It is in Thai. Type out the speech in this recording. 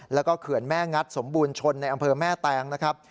แล้วก็เขื่อนแม่งัดสมบูรณชนในอำเภอแม่แตงนะครับ